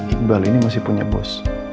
iqbal ini masih punya bos